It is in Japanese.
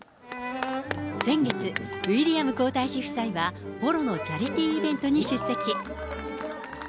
先月、ウィリアム皇太子夫妻は、ポロのチャリティーイベントに出席。